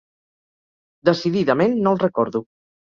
Decididament no el recordo.